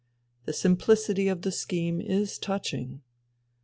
The sim plicity of the scheme is touching.